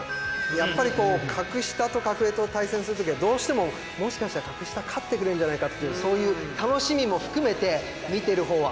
やっぱり格下と格上と対戦する時はどうしても「もしかしたら格下勝ってくれるんじゃないか」っていうそういう楽しみも含めて見てるほうは。